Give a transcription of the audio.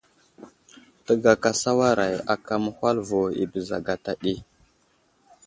Təgaka sawaray aka məhwal vo i bəza gata ɗi.